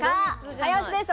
早押しです。